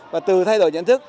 và từ thay đổi nhận thức